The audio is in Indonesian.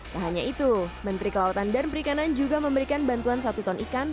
tak hanya itu menteri kelautan dan perikanan juga memberikan bantuan satu ton ikan